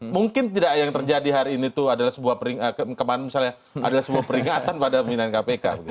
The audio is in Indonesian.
mungkin tidak yang terjadi hari ini tuh adalah sebuah peringatan pada peminat kpk